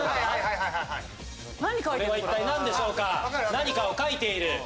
何かを描いている。